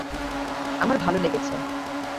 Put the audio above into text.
আমার ভালো লেগেছে।